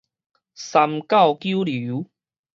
三教九流